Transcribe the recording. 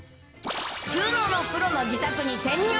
収納のプロの自宅に潜入！